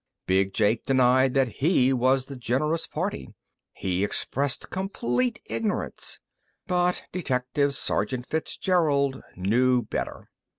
Big Jake denied that he was the generous party. He expressed complete ignorance. But Detective Sergeant Fitzgerald knew better.